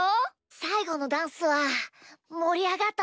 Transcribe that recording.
さいごのダンスはもりあがったな！